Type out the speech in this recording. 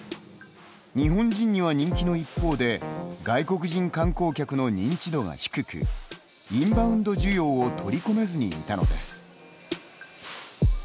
日本人には人気の一方で外国人観光客の認知度が低くインバウンド需要を取り込めずにいたのです。